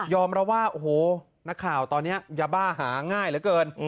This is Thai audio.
เราว่าโอ้โหนักข่าวตอนนี้ยาบ้าหาง่ายเหลือเกิน